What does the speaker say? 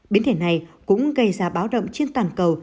biến thể này cũng gây ra báo động trên toàn cầu